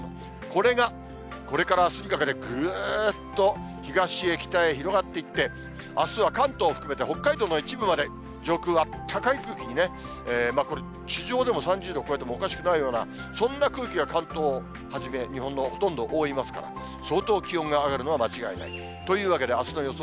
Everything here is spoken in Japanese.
これがこれからあすにかけて、ぐーっと、東へ、北へ広がっていって、あすは関東を含めて北海道の一部まで、上空はあったかい空気にこれ、地上でも３０度超えてもおかしくないような、そんな空気が、関東をはじめ、日本のほとんど覆いますから、相当気温が上がるのは間違いない。。というわけで、あすの予想